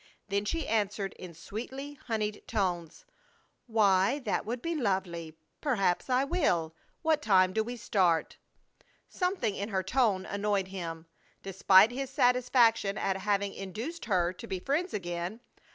Then she answered, in sweetly honeyed tones: "Why, that would be lovely! Perhaps I will. What time do we start?" Something in her tone annoyed him, despite his satisfaction at having induced her to be friends again.